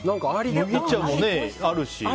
麦茶もあるし。